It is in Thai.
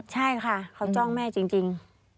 ใช่ค่ะเขาจ้องแม่จริง